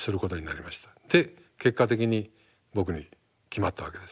で結果的に僕に決まったわけです。